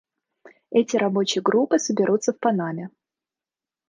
Эти рабочие группы соберутся в Панаме.